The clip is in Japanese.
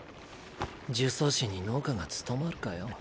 呪詛師に農家が務まるかよ。